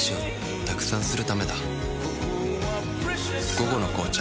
「午後の紅茶」